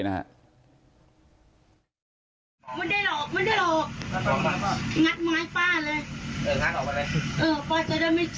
ติดเตียงได้ยินเสียงลูกสาวต้องโทรโทรศัพท์ไปหาคนมาช่วย